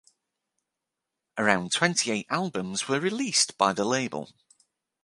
Around twenty eight albums were released by the label.